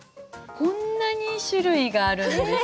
こんなに種類があるんです。